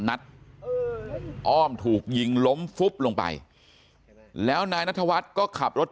นัดอ้อมถูกยิงล้มฟุบลงไปแล้วนายนัทวัฒน์ก็ขับรถ